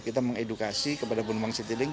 kita mengedukasi kepada penumpang citylink